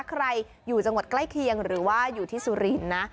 ใครอยู่จังหวัดใกล้เคียงหรือว่าอยู่ที่สุรินทร์นะ